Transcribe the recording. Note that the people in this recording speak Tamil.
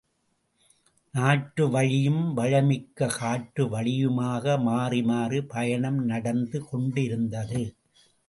நாட்டு வழியும் வளமிக்க காட்டு வழியுமாக மாறிமாறிப் பயணம் நடந்து கொண்டிருந்தது.